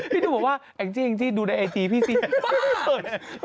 หนูบอกว่าแอ็กซี่ดูในแอ็กซี่พี่ซี่อีบ้า